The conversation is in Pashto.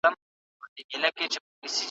خاوند کولای سي، بله نکاح وکړي